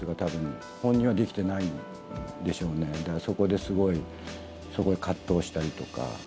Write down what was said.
だからそこですごい藤したりとか。